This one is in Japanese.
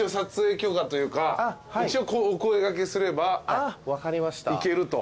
一応お声掛けすればいけると。